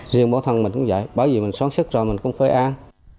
riêng bản thân mình cũng vậy bởi vì mình sống sức rồi mình cũng phải an